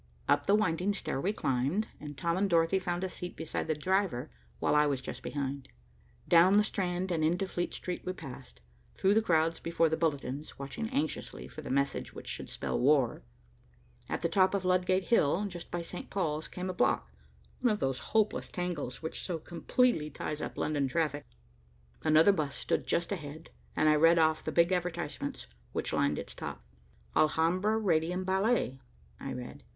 Up the winding stair we climbed, and Tom and Dorothy found a seat beside the driver, while I was just behind. Down the Strand into Fleet Street we passed, through the crowds before the bulletins, watching anxiously for the message which should spell "War." At the top of Ludgate Hill, just by St. Paul's, came a block, one of those hopeless tangles which so completely ties up London traffic. Another bus stood just ahead, and I read off the big advertisements which lined its top. "Alhambra Radium Ballet," I read.